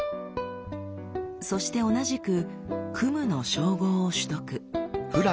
そして同じく「クム」の称号を取得。